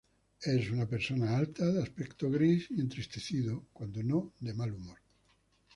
Es una persona alta, de aspecto gris y entristecido, cuando no de mal humor.